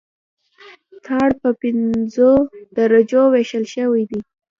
ټار په پنځو درجو ویشل شوی دی